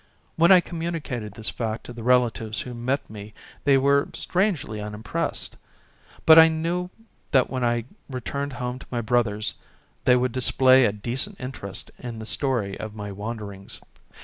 When I communicated this fact to the relatives who met me they were strangely unimpressed ; but I knew that when I returned home to my brothers they would display a decent interest in the story of my wanderings.